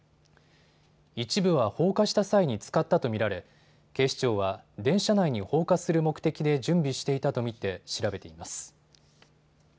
一部は放火した際に使ったと見られ警視庁は電車内に放火する目的で準備していたと見て調べています。